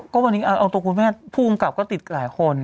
ก็วันนี้เอาตัวคุณแม่ผู้กำกับก็ติดหลายคน